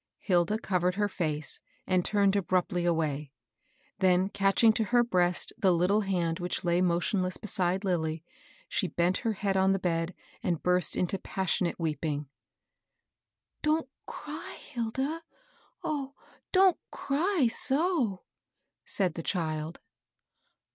Hilda covered lier face and turned abruptly away ; then, catching to her breast the little hand which_lay motionless beside Lilly, she bent her head on the bed and burst into passionate weep ing. Don't cry, Hilda 1 Oh, don't cry so !" said the child.